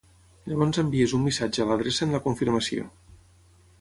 Llavors envies un missatge a l'adreça en la confirmació.